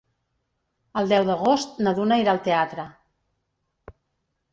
El deu d'agost na Duna irà al teatre.